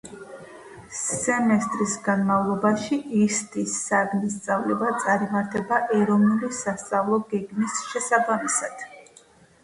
რიოში მან მუშაობა კინოში დაიწყო.